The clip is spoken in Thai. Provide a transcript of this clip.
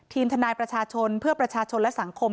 ทนายประชาชนเพื่อประชาชนและสังคม